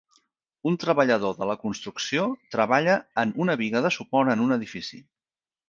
Un treballador de la construcció treballa en una biga de suport en un edifici.